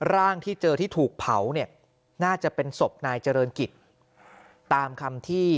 ร่างที่เจอที่ถูกเผาเนี่ยน่าจะเป็นศพนายเจริญกิจตามคำที่